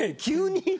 急に？